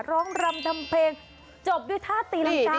ร้องรำทำเพลงจบด้วยท่าตีลำกาดงาม